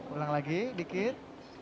ulang lagi dikit